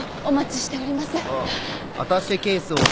お待ちしております。